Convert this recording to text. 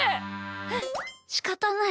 はっしかたない。